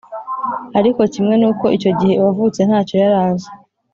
ariko kimwe n uko icyo gihe uwavutse ntacyo yarazi